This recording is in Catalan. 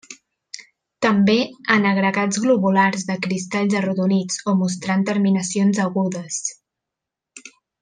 També en agregats globulars, de cristalls arrodonits o mostrant terminacions agudes.